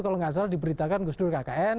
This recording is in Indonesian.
kalau nggak salah diberitakan gus dur kkn